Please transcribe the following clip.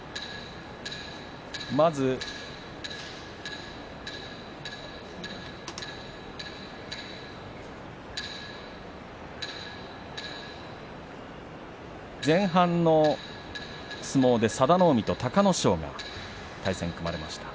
まず前半の相撲で佐田の海と隆の勝が対戦が組まれました。